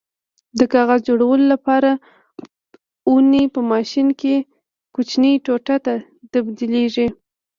د کاغذ جوړولو لپاره ونې په ماشین کې کوچنیو ټوټو ته تبدیلېږي.